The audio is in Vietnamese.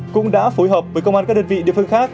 cũng đã phối hợp với công an các đơn vị địa phương khác